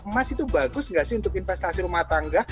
emas itu bagus nggak sih untuk investasi rumah tangga